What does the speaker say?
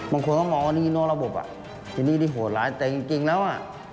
มันควรต้องมองว่านี่นี่นอกระบบที่นี่โหดร้ายแต่จริงแล้ว